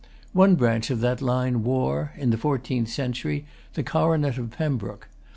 One branch of that line wore, in the fourteenth century, the coronet of Pembroke.